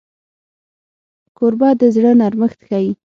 کوربه د زړه نرمښت ښيي.